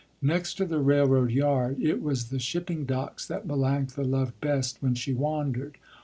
Next to the railroad yard it was the shipping docks that Melanctha loved best when she wandered.